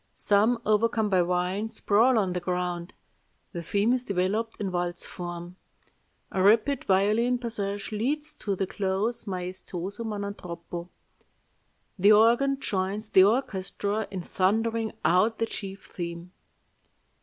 Some, overcome by wine, sprawl on the ground. The theme is developed in waltz form. A rapid violin passage leads to the close, maestoso ma non troppo. The organ joins the orchestra in thundering out the chief theme."